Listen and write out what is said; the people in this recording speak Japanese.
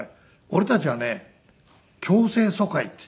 俺たちはね強制疎開って。